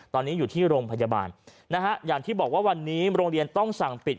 ตอนนี้อยู่ที่โรงพยาบาลนะฮะอย่างที่บอกว่าวันนี้โรงเรียนต้องสั่งปิด